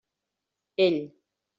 Ell.